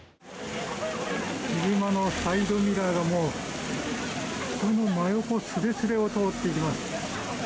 車のサイドミラーが人の真横すれすれを通っていきます。